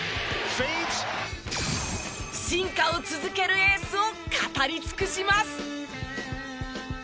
進化を続けるエースを語り尽くします！